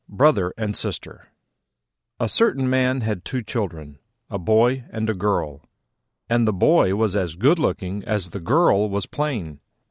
BROTHER AND SISTER A certain man had two children, a boy and a girl: and the boy was as good looking as the girl was plain.